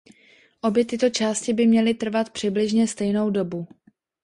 Obě tyto části by měly trvat přibližně stejnou dobu.